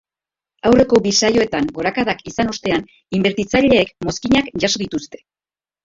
Aurreko bi saioetan gorakadak izan ostean, inbertitzaileek mozkinak jaso dituzte.